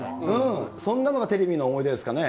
そんなのがテレビの思い出ですかね。